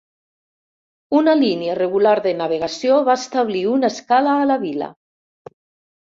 Una línia regular de navegació va establir una escala a la vila.